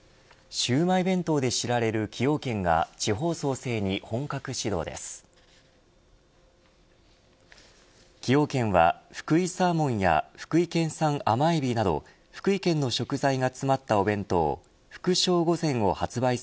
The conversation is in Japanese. シウマイ弁当で知られる崎陽軒が地方創生に本格始動です。